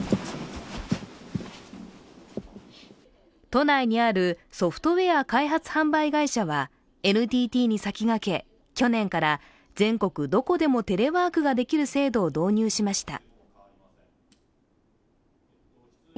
都内にあるソフトウエア開発販売会社はＮＴＴに先駆け去年から、全国どこでもテレワークができる制度を導入しました。